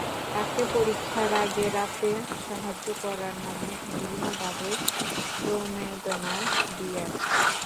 তাঁকে পরীক্ষার আগের রাতেও সাহায্য করার নামে বিভিন্নভাবে প্রণোদনা দিয়ে আসছে।